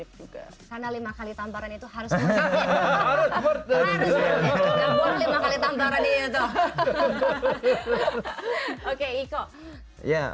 juga karena lima kali tambaran itu harus